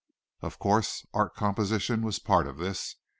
Of course, art composition was a part of this.